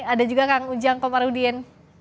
ada juga kang ujang komarudin